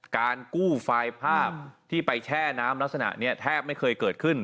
การกู้ไฟล์ภาพที่ไปแช่น้ำลักษณะนี้แทบไม่เคยเกิดขึ้น